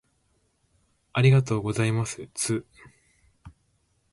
ありがとうございますつ